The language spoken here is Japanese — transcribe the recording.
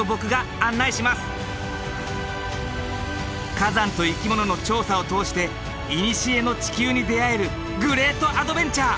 火山と生き物の調査を通していにしえの地球に出会えるグレートアドベンチャー！